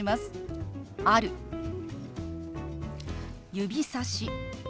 「指さし」。